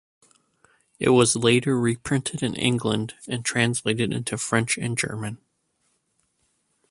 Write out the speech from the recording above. It was later reprinted in England, and translated into French and German.